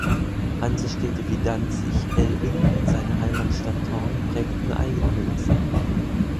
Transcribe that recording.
Hansestädte wie Danzig, Elbing und seine Heimatstadt Thorn prägten eigene Münzen.